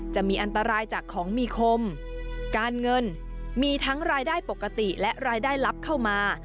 จะมีอันตรายจากของมีคมการเงินมีทั้งรายได้ปกติและรายได้ลับเข้ามา